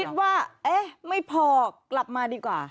คิดว่าเอ๊ะไม่พอกลับมาดีกว่า